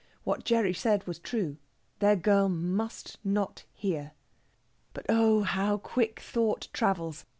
What Gerry said was true their girl must not hear. But oh, how quick thought travels!